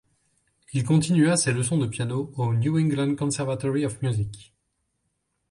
Il continua ses leçons de piano au New England Conservatory of Music.